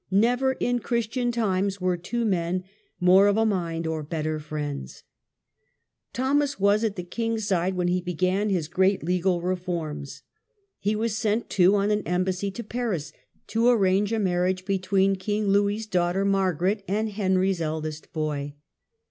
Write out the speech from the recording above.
Never in Christian times were two men more of a mind or better friends." I'homas was at the king's side when he b^an his great legal reforms. He was sent, too, on an embassy to Paris to arrange a marriage between King Louis's daughter Margaret and Henry's eldest boy.